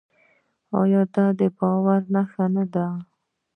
آیا دا د باور نښه نه ده؟